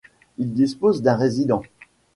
Il dispose d’un résident.